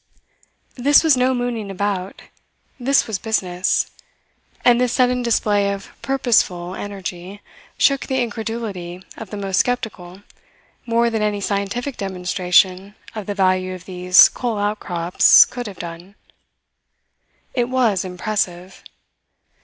This was no mooning about. This was business. And this sudden display of purposeful energy shook the incredulity of the most sceptical more than any scientific demonstration of the value of these coal outcrops could have done. It was impressive.